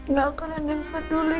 gak ada yang peduli